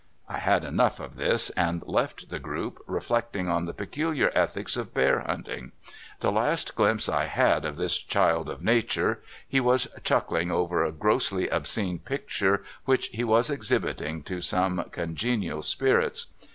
I had enough of this, and left the group, reflect ing on the peculiar ethics of bear hunting. The last glimpse I had of this child of nature, he was chuckling over a grossly obscene picture which he was exhibiting to some congenial spirits.